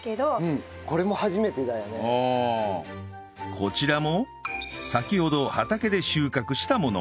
こちらも先ほど畑で収穫したもの